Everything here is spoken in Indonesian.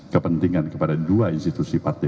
kepentingan kepada dua institusi partai